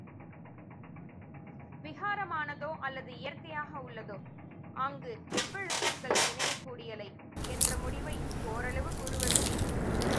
விகாரமானதோ அல்லது இயற்கையாக உள்ளதோ ஆங்கு எவ்வெவ்வெழுத்துகள் இணையக் கூடியலை என்ற முடிவை ஓரளவு கூறுவது.